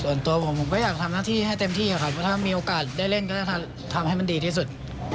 ส่วนตัวผมผมก็อยากทำหน้าที่ให้เต็มที่ครับถ้ามีโอกาสได้เล่นก็จะทำให้มันดีที่สุด